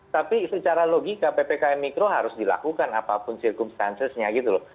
tapi secara logika ppkm mikro harus dilakukan apapun circumstancesnya gitu loh